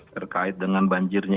terkait dengan banjirnya